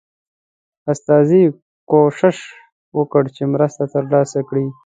استازي کوښښ وکړ چې مرسته ترلاسه کړي.